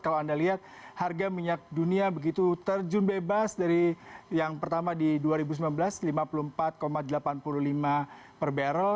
kalau anda lihat harga minyak dunia begitu terjun bebas dari yang pertama di dua ribu sembilan belas lima puluh empat delapan puluh lima per barrel